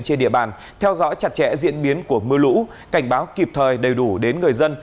trên địa bàn theo dõi chặt chẽ diễn biến của mưa lũ cảnh báo kịp thời đầy đủ đến người dân